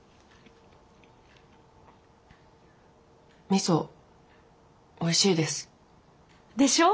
みそおいしいです。でしょ！